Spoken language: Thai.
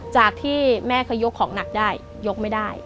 จากที่แม่เคยยกของหนักได้ยกไม่ได้